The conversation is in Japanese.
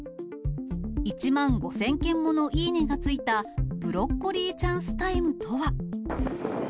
１万５０００件ものいいねがついたブロッコリーチャンスタイムとは。